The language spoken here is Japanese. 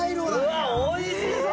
うわっおいしそう！